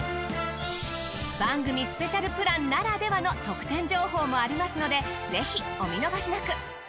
番組スペシャルプランならではの特典情報もありますのでぜひお見逃しなく。